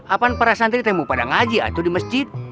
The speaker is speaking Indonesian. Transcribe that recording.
apa para santri temu pada ngaji atau di mesjid